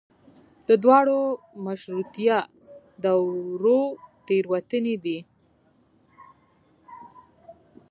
د دواړو مشروطیه دورو تېروتنې دي.